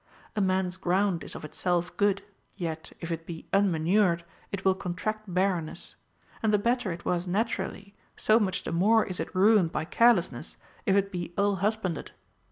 A man's ground is of itself good ; yet, if it be unmanured, it will contract barrenness ; and the better it was naturally, so much the more is it ruined by carelessness, if it be ill husbanded.